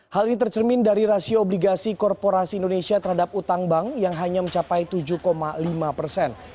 hal ini tercermin dari rasio obligasi korporasi indonesia terhadap utang bank yang hanya mencapai tujuh lima persen